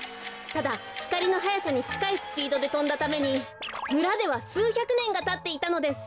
ただひかりのはやさにちかいスピードでとんだためにむらではすうひゃくねんがたっていたのです。